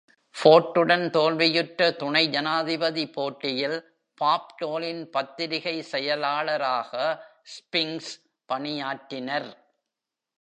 ஃபோர்டுடன் தோல்வியுற்ற துணை ஜனாதிபதி போட்டியில் பாப் டோலின் பத்திரிகை செயலாளராக ஸ்பிங்க்ஸ் பணியாற்றினர்.